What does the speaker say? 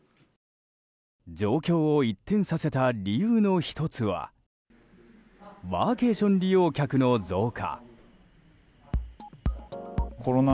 状況を一転させた理由の１つはワーケーション利用客の増加。